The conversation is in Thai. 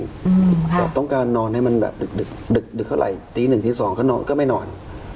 แต่ต้องการนอนให้มันแบบดึกดึกเท่าไหร่ตีหนึ่งตีสองก็นอนก็ไม่นอน